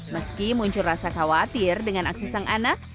meski muncul rasa khawatir dengan aksi sang anak